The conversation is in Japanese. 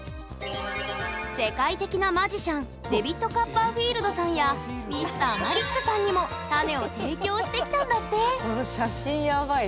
世界的なマジシャンデビッド・カッパーフィールドさんやＭｒ．マリックさんにもこの写真やばい。